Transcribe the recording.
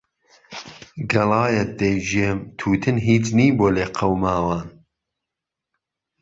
گهڵایهت دهیگێم تووتن هیچ نی بۆ لێقهوماوان